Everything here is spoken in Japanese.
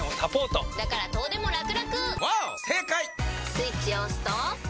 スイッチを押すと。